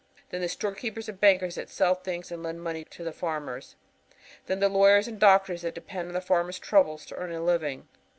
Then the storekeepers and bankers that sell things and lend money to the farmers. Then the lawyers and doctors that depend on the farmers' troubles to earn a living.